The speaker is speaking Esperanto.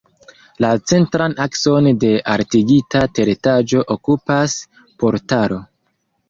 La centran akson de altigita teretaĝo okupas portalo.